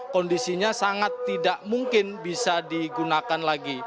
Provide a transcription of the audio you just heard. kondisinya sangat tidak mungkin bisa digunakan lagi